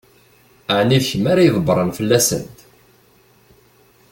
Ɛni d kemm ara ydebbṛen fell-asent?